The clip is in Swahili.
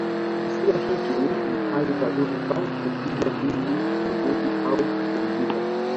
Kisiwa hiki ni mahali pazuri pa kupiga mbizi uvuvi au kupumzika